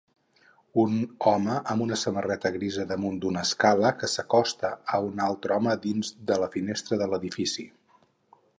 Un home amb una samarreta grisa damunt d'una escala que s'acosta a un altre home dins de la finestra de l'edifici